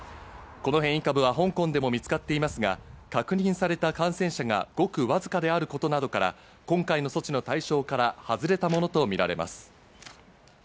この変異株は香港でも見つかっていますが、確認された感染者がごくわずかであることなどから、今回の措置の対象から外れたものとみられます。